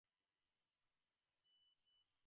তা হয়েছে কী?